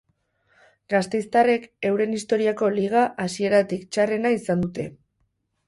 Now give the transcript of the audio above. Gasteiztarrek euren istoriako liga hasierarik txarrena izan dute.